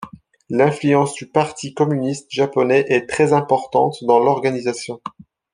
L'influence du Parti communiste japonais est très importante dans l'organisation.